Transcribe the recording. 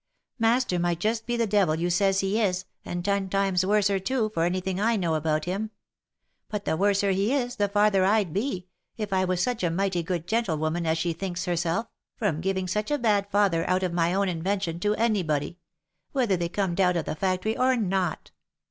Master might be just the devil you says he is, and ten times worser too, for any thing I know about him ; but the worser he is, the farther I'd be, if I was such a mighty good gentlewoman as she thinks herself, from giving such a bad father out of my own invention to any body — whether they corned out of the factory or not."